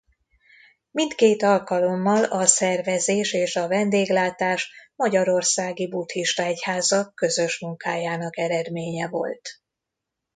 Mindkét alkalommal a szervezés és a vendéglátás magyarországi buddhista egyházak közös munkájának eredménye volt.